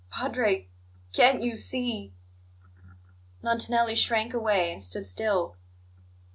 "Padre, can't you see " Montanelli shrank away, and stood still.